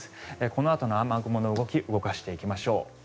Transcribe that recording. このあとの雨雲の動きを動かしていきましょう。